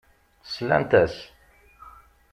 Slant-as.